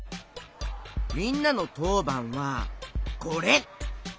みんなのとうばんはこれ！